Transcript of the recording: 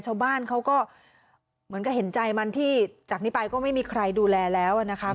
ชาวบ้านเขาก็เหมือนกับเห็นใจมันที่จากนี้ไปก็ไม่มีใครดูแลแล้วนะคะ